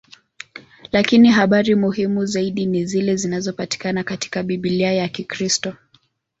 Lakini habari muhimu zaidi ni zile zinazopatikana katika Biblia ya Kikristo.